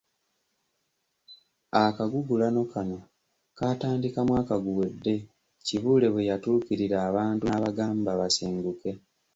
Akagugulano kano kaatandika mwaka guwedde Kibuule bwe yatuukirira abantu n'abagamba basenguke.